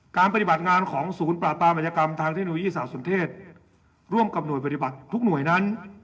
ปฏิบัติงานของศูนย์ปราบปรามอัยกรรมทางเทคโนโลยีสารสนเทศร่วมกับหน่วยปฏิบัติทุกหน่วยนั้น